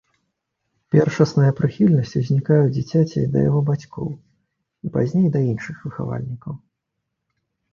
Першасная прыхільнасць узнікае ў дзіцяці да яго бацькоў і, пазней, да іншых выхавальнікаў.